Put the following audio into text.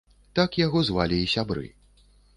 Так яго звалі і сябры.